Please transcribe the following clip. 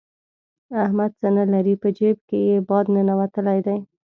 احمد څه نه لري؛ په جېب کې يې باد ننوتلی دی.